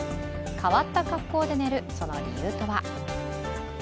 変わった格好で寝るその理由とは。